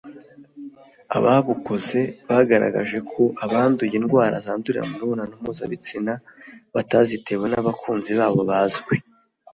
ababukoze bagaragaje ko abanduye indwara zandurira mu mibonano mpuzabitsina batazitewe n’abakunzi babo bazwi